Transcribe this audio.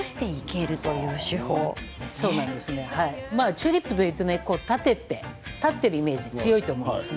チューリップというと立っているイメージが強いと思うんです。